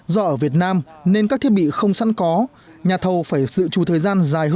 do ở việt nam nên các thiết bị không sẵn có nhà thầu phải sự trù thời gian dài